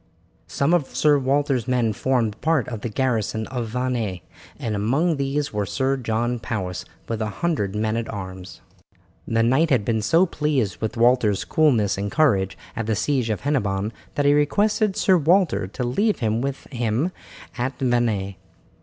Some of Sir Walter's men formed part of the garrison of Vannes, and among these was Sir John Powis with a hundred men at arms. The knight had been so pleased with Walter's coolness and courage at the siege at Hennebon that he requested Sir Walter to leave him with him at Vannes.